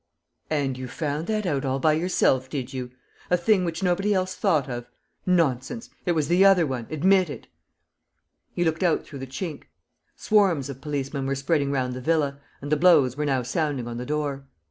"And you found that out all by yourself, did you? ... A thing which nobody else thought of? ... Nonsense! It was the other one. Admit it!" He looked out through the chink. Swarms of policemen were spreading round the villa; and the blows were now sounding on the door.